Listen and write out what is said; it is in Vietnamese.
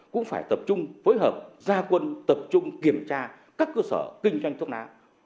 cũng phải tập trung phối hợp gia quân tập trung kiểm tra các cơ sở kinh doanh thuốc lá